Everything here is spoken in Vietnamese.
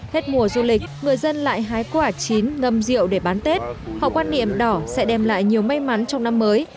hết mùa du lịch người dân lại hái quả chín ngâm rượu để bán tết họ quan niệm đỏ sẽ đem lại nhiều may mắn trong năm mới